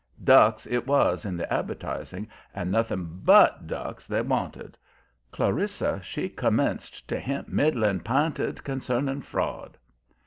"Ducks" it was in the advertising, and nothing BUT ducks they wanted. Clarissa, she commenced to hint middling p'inted concerning fraud.